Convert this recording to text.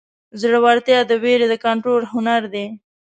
زړهورتیا د وېرې د کنټرول هنر دی.